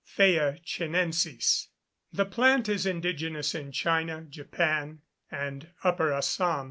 Tea (Thea Chinensis). The plant is indigenous in China, Japan, and Upper Assam.